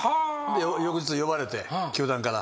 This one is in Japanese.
翌日呼ばれて球団から。